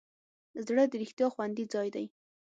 زړه د رښتیا خوندي ځای دی.